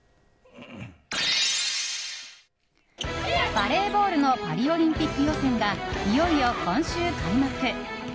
バレーボールのパリオリンピック予選がいよいよ今週開幕！